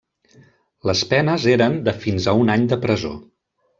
Les penes eren de fins a un any de presó.